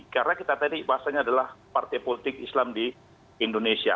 karena kita tadi bahasanya adalah partai politik islam di indonesia